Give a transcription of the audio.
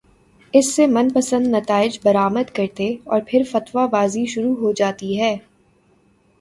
اس سے من پسندنتائج برآمد کرتے اورپھر فتوی بازی شروع ہو جاتی ہے۔